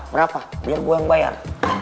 biar gue yang bayar